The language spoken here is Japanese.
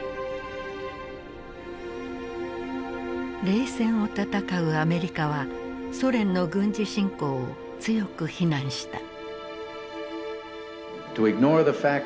冷戦を戦うアメリカはソ連の軍事侵攻を強く非難した。